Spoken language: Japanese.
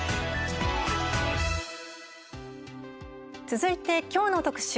続いてきょうの特集